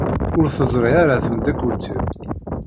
Ur teẓṛi ara tmeddakelt-iw.